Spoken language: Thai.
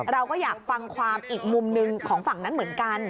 เราก็อยากฟังความอีกมุมหนึ่งของฝั่งนั้นเหมือนกัน